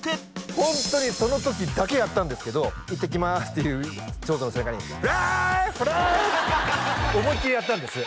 ホントにその時だけやったんですけど「いってきます」っていう長女の背中に「フレーッ！フレーッ！」って思いっきりやったんです